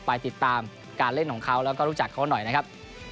ไปติดตามการเล่นของเขาแล้วก็รู้จักเขาหน่อยนะครับ